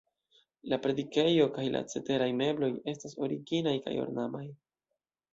La predikejo kaj la ceteraj mebloj estas originaj kaj ornamaj.